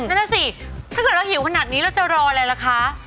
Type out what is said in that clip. นั่นน่ะสิถ้าเกิดเราหิวขนาดนี้เราจะรออะไรล่ะคะ